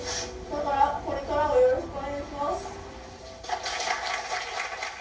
だからこれからもよろしくお願いします。